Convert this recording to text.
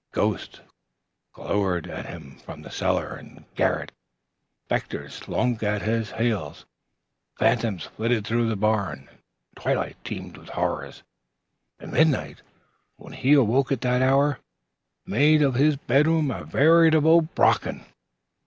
Ghosts glowered at him from cellar and garret. Specters slunk at his heels, phantoms flitted through the barn. Twilight teemed with horrors, and midnight, when he awoke at that hour, made of his bedroom a veritable Brocken.